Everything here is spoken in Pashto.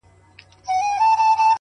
ددغه خلگو په كار، كار مه لره،